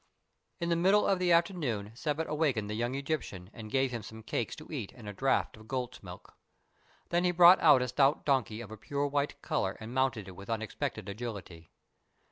In the middle of the afternoon Sebbet awakened the young Egyptian and gave him some cakes to eat and a draught of goat's milk. Then he brought out a stout donkey of a pure white color and mounted it with unexpected agility.